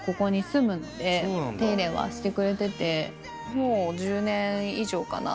もう１０年以上かな。